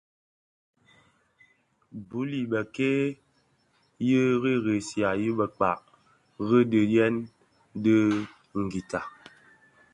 Bul i bëkéé yi ressiya yi bëkpàg rì di đì tyën ti ngüità.